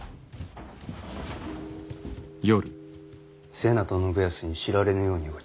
瀬名と信康に知られぬように動け。